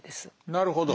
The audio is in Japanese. なるほど。